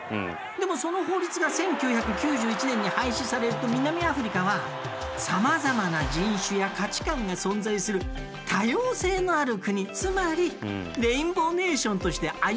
でもその法律が１９９１年に廃止されると南アフリカはさまざまな人種や価値観が存在する多様性のある国つまりレインボーネーションとして歩み始めたのさ。